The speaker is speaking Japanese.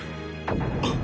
あっ。